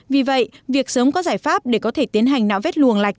vì vậy việc sớm có giải pháp để có thể tiến hành nạo vét luồng lạch